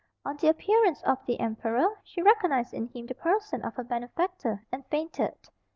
On the appearance of the emperor she recognised in him the person of her benefactor, and fainted.